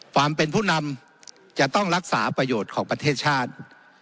ความเป็นผู้นำจะต้องรักษาประโยชน์ของประเทศชาติ